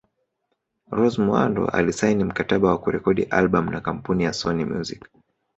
Rose Muhando alisaini mkataba wa kurekodi albam na kampuni la Sony Music